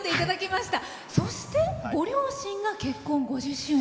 そしてご両親が結婚５０周年。